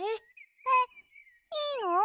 えっいいの？